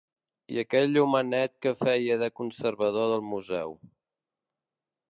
I aquell homenet que feia de conservador del museu